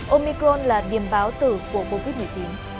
omicron là điểm báo tử của covid một mươi chín